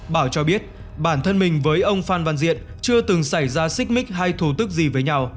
bảo cho biết bản thân mình với ông phan văn diện chưa từng xảy ra xích mích hay thù tức gì với nhau